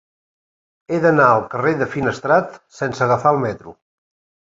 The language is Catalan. He d'anar al carrer de Finestrat sense agafar el metro.